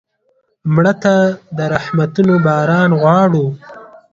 مړه ته د رحمتونو باران غواړو